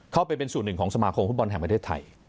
เข้าไปเป็นส่วนหนึ่งของสมาคมฟุตบอลแห่งประเทศไทย